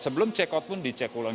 sebelum check out pun di check ulang